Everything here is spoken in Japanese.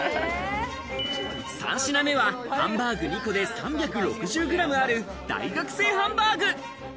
３品目はハンバーグ２個で３６０ｇある大学生ハンバーグ。